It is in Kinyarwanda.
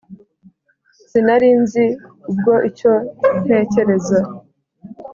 sinari nzi ubwo icyo ntekereza.